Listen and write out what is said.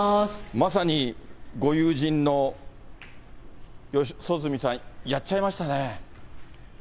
まさにご友人の四十住さん、やっちゃいましたね。